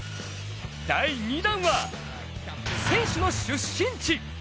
第２弾は選手の出身地！